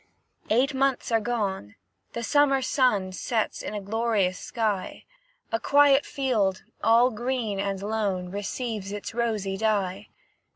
Eight months are gone, the summer sun Sets in a glorious sky; A quiet field, all green and lone, Receives its rosy dye.